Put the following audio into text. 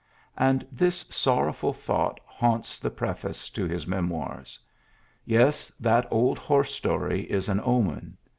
'' And this sorrow fal thought haunts the preface to his memoirs. Yes, that old horse story is an omen.